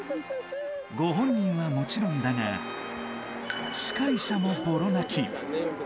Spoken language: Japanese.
ご本人はもちろんだが、司会者もぼろ泣き。